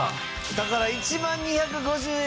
だから１万２５０円引きか。